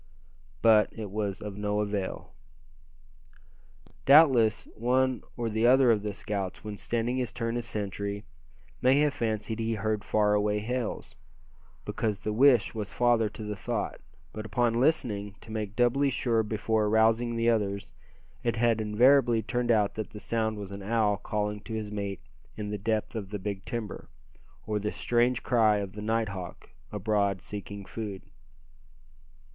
But it was all of no avail. Doubtless one or the other of the scouts, when standing his turn as sentry, may have fancied he heard far away hails, because the wish was father to the thought; but upon listening, to make doubly sure before arousing the others, it had invariably turned out that the sound was an owl calling to his mate in the depth of the big timber, or the strange cry of the night hawk abroad seeking food.